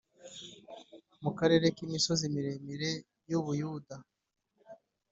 mu karere k imisozi miremire y u Buyuda